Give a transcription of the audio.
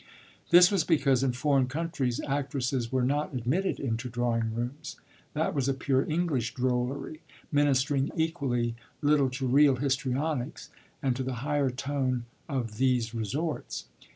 This was because in foreign countries actresses were not admitted into drawing rooms: that was a pure English drollery, ministering equally little to real histrionics and to the higher tone of these resorts.